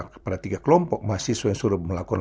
kepada tiga kelompok mahasiswa yang suruh melakukan